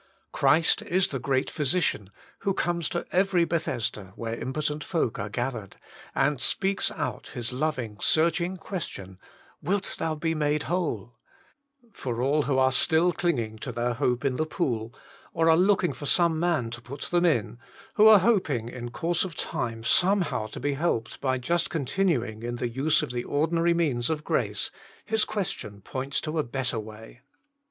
Christ is the great Physician, who comes to every Bethesda where impotent folk are gathered, and speaks out His loving, searching question, Wilt thou be made whole ? For all who are still clinging to their hope in the pool, or are looking for some man to put them in, who are hoping, in course of time, somehow to be helped by just continu ing in the use of the ordinary means of grace, His question points to a better way.